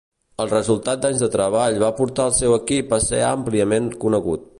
El resultat d'anys de treball va portar al seu equip a ser àmpliament conegut.